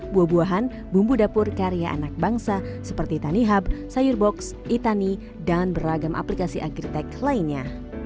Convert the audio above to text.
buah buahan bumbu dapur karya anak bangsa seperti tanihub sayur box itani dan beragam aplikasi agritech lainnya